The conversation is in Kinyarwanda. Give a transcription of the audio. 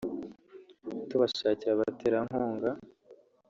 tubashakira abaterankunga